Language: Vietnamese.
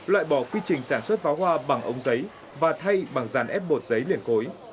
loại bỏ quy trình sản xuất pháo hoa bằng ống giấy và thay bằng dàn ép bột giấy liền cối